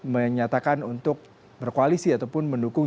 menyatakan untuk berkoalisi ataupun mendukung